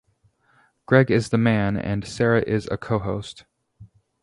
Greg is the 'Man' and Sara is a co-host.